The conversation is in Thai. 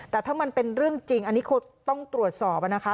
แต่ถ้ามันเป็นเรื่องจริงอันนี้คงต้องตรวจสอบนะคะ